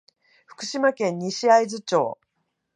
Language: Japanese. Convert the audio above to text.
福島県西会津町